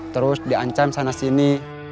terus diancam sana sini